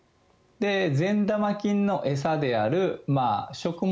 善玉菌の餌である食物